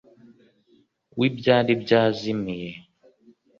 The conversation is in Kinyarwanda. w’ibyari byazimiye;